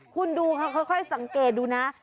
คุณดูค่อยสังเกตดูนะ